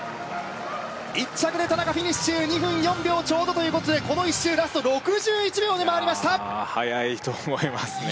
１着で田中フィニッシュ２分４秒ちょうどということでこの１周ラスト６１秒で回りましたいやあ速いと思いますね